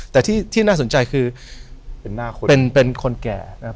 แต่ที่น่าสนใจคือเป็นคนแก่นะครับ